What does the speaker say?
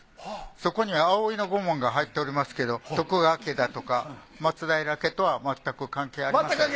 そこに葵の御紋が入っておりますけど徳川家だとか松平家とはまったく関係ありません。